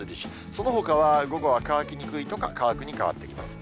そのほかは午後は乾きにくいとか、乾くに変わってきます。